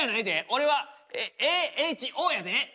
俺は「Ａ」「Ｈ」「Ｏ」やで！